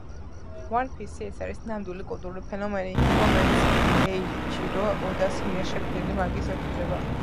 One Piece — ეს არის ნამდვილი კულტურული ფენომენი, რომელიც ეიჩირო ოდას მიერ შექმნილ მანგას ეფუძნება.